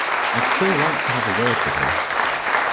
I'd still like to have a word with her.